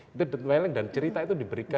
itu ditempeleng dan cerita itu diberikan